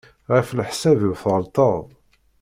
Ɣef leḥsab-iw tɣelṭeḍ.